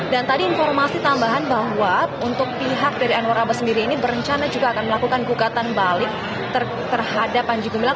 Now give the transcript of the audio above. tadi informasi tambahan bahwa untuk pihak dari anwar abbas sendiri ini berencana juga akan melakukan gugatan balik terhadap panji gumilang